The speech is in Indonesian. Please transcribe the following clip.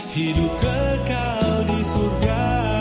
hidup kekal di surga